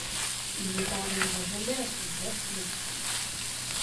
Il ne pardonnera jamais à son père son attitude.